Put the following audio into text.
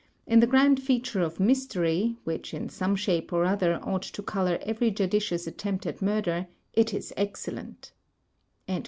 In the grand feature of mystery, which in some shape or other ought to color every judicious attempt at murder, it is excellent."